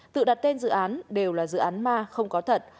tự đặt tên dự án đều là dự án ma không có thật